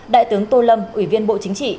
đại tướng tô lâm ủy viên bộ chính trị